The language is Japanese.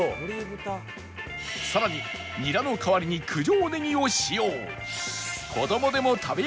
さらにニラの代わりに九条ネギを使用